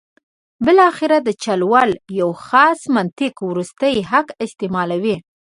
بالاخره د چل ول یو خاص منطق وروستی حق استعمالوي.